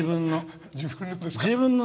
自分の。